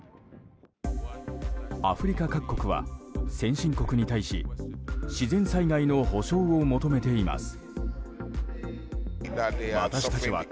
アフリカ各国は先進国に対し自然災害の補償を求めています。